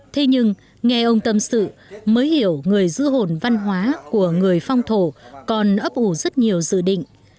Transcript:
thế nhưng nghe ông tâm sự mới hiểu người giữ hồn văn hóa của người phong thổ còn ấp ủ rất nhiều dự định